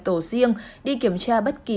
tổ riêng đi kiểm tra bất kỳ